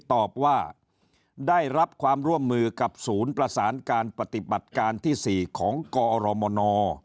ตอบว่าได้รับความร่วมมือกับศูนย์ประสานการปฏิบัติการที่๔ของกอรมน